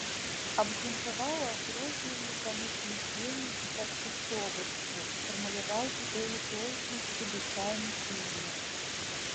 Абгрунтаваў адрозненне паміж мысленнем і пачуццёвасцю, сфармуляваў ідэю тоеснасці быцця і мыслення.